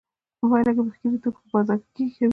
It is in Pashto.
په پایله کې مخکیني توکي بیا په بازار کې کمېږي